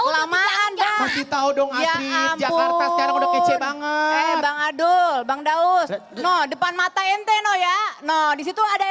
lama anda tahu dong ya ampun banget bang adul bang daus depan mata ente no ya no disitu ada